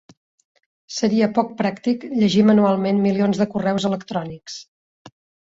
Seria poc pràctic llegir manualment milions de correus electrònics.